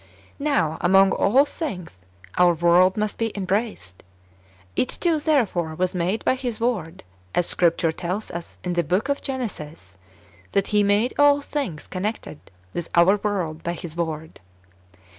"^ Now, among the "all things " our world must be embraced. It too, therefore, was made by His Word, as Scripture tells us in the book of Genesis that He made all things connected witli our world by His Word.